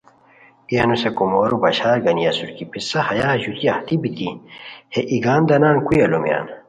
ای انوس ہے کومورو بشارگانی اسور کی پِسہ ہیا ژوتی اہتی بیتی ہے ایگان دانان کوئی الومیان؟